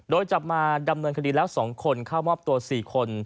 โดยจับมาดำเนินคดีแล้ว๒คนเข้ามอบตัว๔คน